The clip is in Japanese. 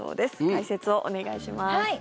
解説をお願いします。